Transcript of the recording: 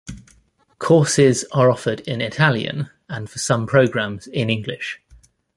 Courses are offered in Italian and for some programs in English.